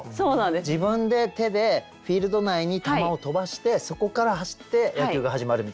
自分で手でフィールド内に球を飛ばしてそこから走って野球が始まるみたいな。